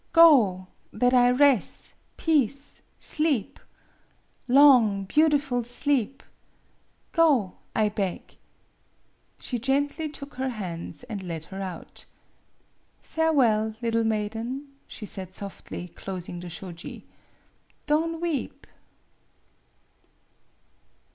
Go, that I res' peace sleep. Long beautiful sleep! Go, I beg." She gently took her hands and led her out. " Farewell, liddle maiden," she said softly, closing the shoji. " Don' weep."